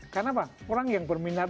karena apa orang yang berminat